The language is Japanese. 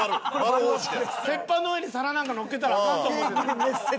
鉄板の上に皿なんかのっけたらアカンと思うけど。